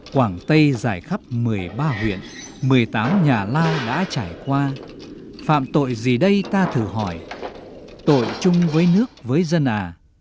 quảng tây dài khắp một mươi ba huyện một mươi tám nhà lao đã trải qua phạm tội gì đây ta thử hỏi tội chung với nước với dân à